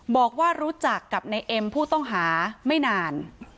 บอกว่ารู้จักกับนายเอ็มผู้ต้องหาไม่นาน